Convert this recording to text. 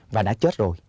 và đã chết rồi